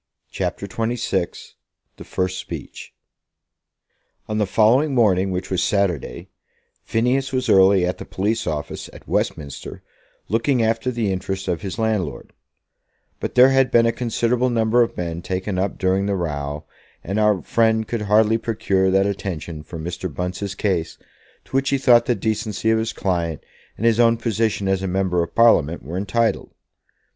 CHAPTER XXVI "The First Speech" On the following morning, which was Saturday, Phineas was early at the police office at Westminster looking after the interests of his landlord; but there had been a considerable number of men taken up during the row, and our friend could hardly procure that attention for Mr. Bunce's case to which he thought the decency of his client and his own position as a member of Parliament were entitled.